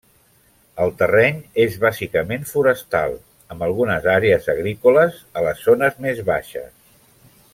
El terreny és bàsicament forestal, amb algunes àrees agrícoles a les zones més baixes.